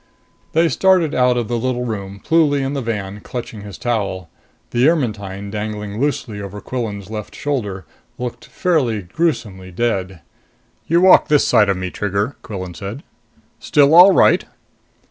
They started out of the little room, Pluly in the van, clutching his towel. The Ermetyne, dangling loosely over Quillan's left shoulder, looked fairly gruesomely dead. "You walk this side of me, Trigger," Quillan said. "Still all right?"